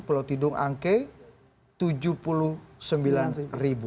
pulau tidung angke rp tujuh puluh sembilan